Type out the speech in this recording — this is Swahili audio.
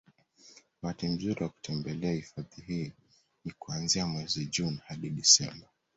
wakati mzuri wa kutembelea hifadhi hii ni kuanzia mwezi June hadi Desemba